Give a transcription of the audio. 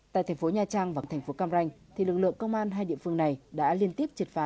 tại thành phố nha trang và thành phố cam ranh thì lực lượng công an hai địa phương này đã liên tiếp triệt phá